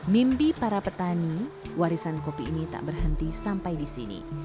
mimpi para petani warisan kopi ini tak berhenti sampai di sini